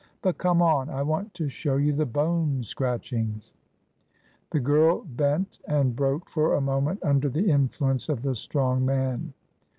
But come on ! I want to show you the bone scratch ings." The girl bent and broke for a moment under the in fluence of the strong man.